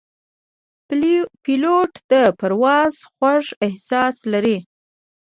پیلوټ د پرواز خوږ احساس لري.